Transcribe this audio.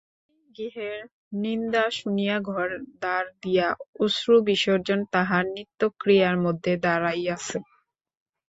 পিতৃগৃহের নিন্দা শুনিয়া ঘরে দ্বার দিয়া অশ্রুবিসর্জন তাহার নিত্যক্রিয়ার মধ্যে দাঁড়াইয়াছে।